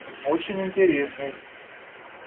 Очень интересный.